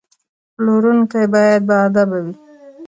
پلورونکی باید باادبه وي.